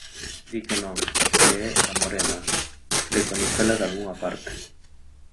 Di que non, que é a morena; cre coñecela dalgunha parte.